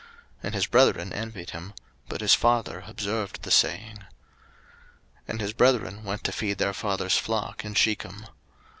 01:037:011 And his brethren envied him; but his father observed the saying. 01:037:012 And his brethren went to feed their father's flock in Shechem.